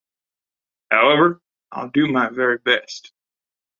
However, I’ll do my very best.